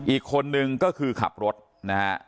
อีกคนนึงก็คือขับรถนะฮะ